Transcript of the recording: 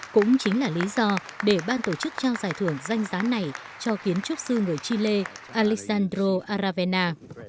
cũng chính là lý do để ban tổ chức trao giải thưởng danh gián này cho kiến trúc sư người chile alexandro aravena